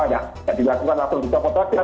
tidak dilakukan langsung di kepotosan